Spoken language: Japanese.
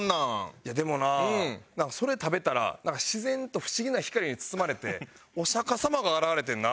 いやでもななんかそれ食べたら自然と不思議な光に包まれてお釈迦様が現れてんな。